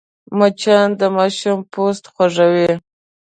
مچان د ماشوم پوست خوږوي